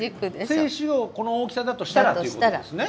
精子をこの大きさだとしたらっていうことですね。